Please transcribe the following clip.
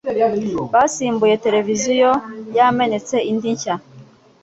Basimbuye televiziyo yamenetse indi nshya.